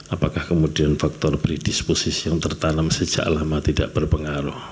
apakah kemudian faktor beri disposisi yang tertanam sejak lama tidak berpengaruh